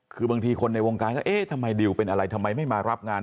คือบางทีคนในวงการก็เอ๊ะทำไมดิวเป็นอะไรทำไมไม่มารับงาน